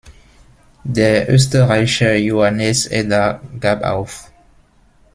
Der Österreicher Johannes Eder gab auf.